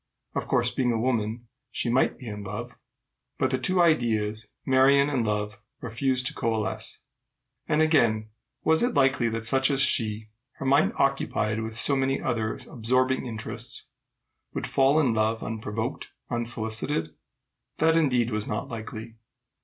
Of course, being a woman, she might be in love; but the two ideas, Marion and love, refused to coalesce. And again, was it likely that such as she, her mind occupied with so many other absorbing interests, would fall in love unprovoked, unsolicited? That, indeed, was not likely.